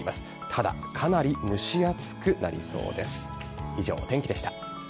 ただ、かなり蒸し暑くなりそうです。